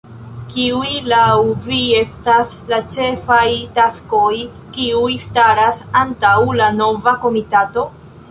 Kiuj laŭ vi estas la ĉefaj taskoj, kiuj staras antaŭ la nova komitato?